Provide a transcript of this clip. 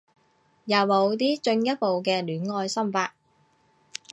有冇啲進一步嘅戀愛心法